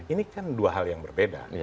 ini kan dua hal yang berbeda